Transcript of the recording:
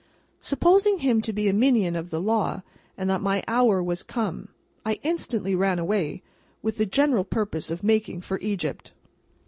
Supposing him to be a minion of the law, and that my hour was come, I instantly ran away, with the general purpose of making for Egypt.